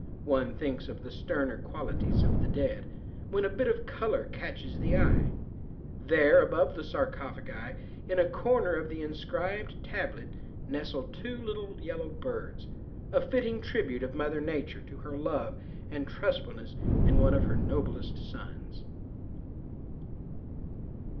One thinks of the sterner qualities of the dead, when a bit of color catches the eye. There above the sarcophagi in a corner of the inscribed tablet nestle two little yellow birds, a fitting tribute of Mother Nature to her love and trustfulness in one of her noblest sons.